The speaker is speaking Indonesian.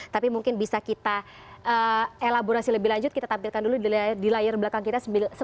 tapi mungkin bisa kita elaborasi lebih lanjut kita tampilkan dulu di layar belakang kita